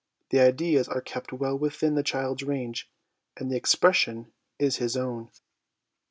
The ideas are kept well within the child's range, and the expression is his own.